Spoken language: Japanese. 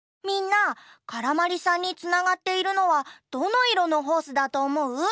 みんなからまりさんにつながっているのはどのいろのホースだとおもう？